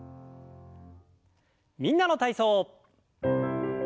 「みんなの体操」。